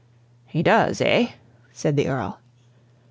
"He does, eh?" said the Earl.